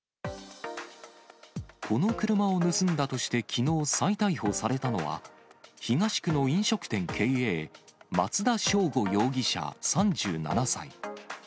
この車を盗んだとしてきのう再逮捕されたのは、東区の飲食店経営、松田章吾容疑者３７歳。